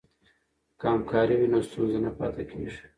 که همکاري وي نو ستونزه نه پاتې کیږي.